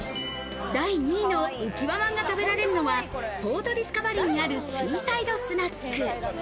第２位のうきわまんが食べられるのはポートディスカバリーにあるシーサイドスナック。